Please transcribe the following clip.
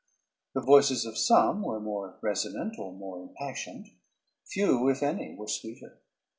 The voices of some were more resonant or more impassioned; few, if any, were sweeter.